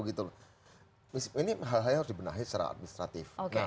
hal hal ini harus dibenahi secara administratif